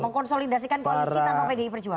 mengkonsolidasikan polisi tanpa media perjuangan